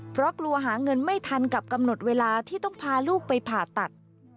เพราะกลัวหาเงินไม่ทันกับกำหนดเวลาที่ต้องพาลูกไปผ่าตัด